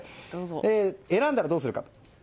選んだらどうするか。